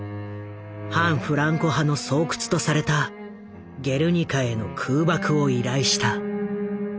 反フランコ派の巣窟とされたゲルニカへの空爆を依頼した。